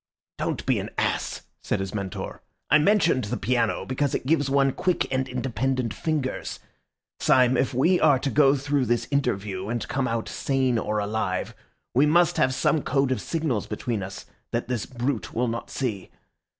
"Don't be an ass," said his mentor. "I mentioned the piano because it gives one quick and independent fingers. Syme, if we are to go through this interview and come out sane or alive, we must have some code of signals between us that this brute will not see.